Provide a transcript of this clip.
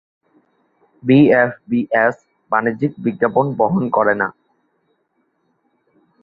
BFBS বাণিজ্যিক বিজ্ঞাপন বহন করে না।